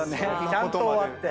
ちゃんと終わって。